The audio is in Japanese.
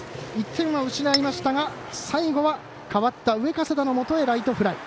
１点は失いましたが最後は代わった上加世田のもとにライトフライ。